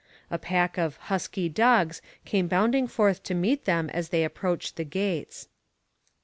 A pack of 'husky' dogs came bounding forth to meet them as they approached the gates.